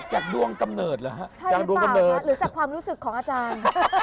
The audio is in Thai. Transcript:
ใช่หรือเปล่าหรือจากความรู้สึกของอาจารย์